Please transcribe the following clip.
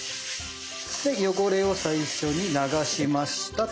汚れを最初に流しましたと。